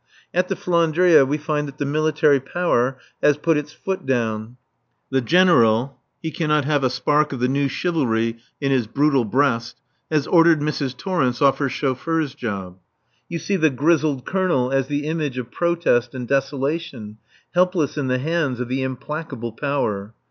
At the "Flandria" we find that the Military Power has put its foot down. The General he cannot have a spark of the New Chivalry in his brutal breast has ordered Mrs. Torrence off her chauffeur's job. You see the grizzled Colonel as the image of protest and desolation, helpless in the hands of the implacable Power.